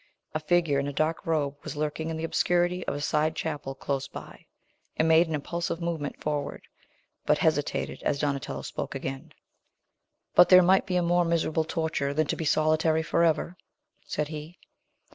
A figure in a dark robe was lurking in the obscurity of a side chapel close by, and made an impulsive movement forward, but hesitated as Donatello spoke again. "But there might be a more miserable torture than to be solitary forever," said he.